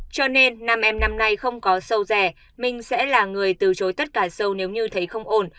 cho nên nam em năm nay không có sâu rẻ mình sẽ là người từ chối tất cả sâu nếu như thấy không ổn